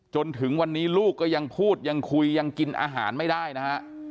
จนถึงวันนี้ลูกก็ยังพูดยังคุยยังกินอาหารไม่ได้นะฮะ